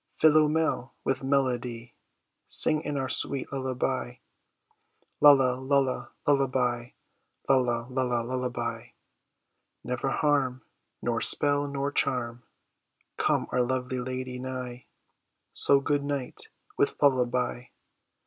Philomel, with melody Sing in our sweet lullaby; Lulla, lulla, lullaby; lulla, lulla, lullaby! Never harm, Nor spell nor charm, Come our lovely lady nigh; So, good night, with lullaby.